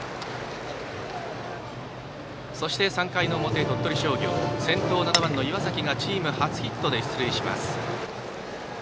そして、３回の表の鳥取商業先頭、７番の岩崎がチーム初ヒットで出塁します。